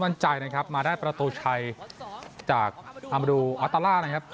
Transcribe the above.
มั่นใจนะครับมาได้ประตูชัยจากอามรูออตาล่านะครับ